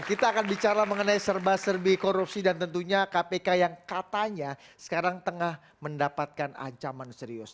kita akan bicara mengenai serba serbi korupsi dan tentunya kpk yang katanya sekarang tengah mendapatkan ancaman serius